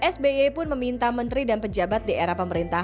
sby pun meminta menteri dan pejabat daerah pemerintah